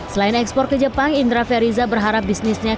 selain ekspor ke jepang indra feriza berharap bisnisnya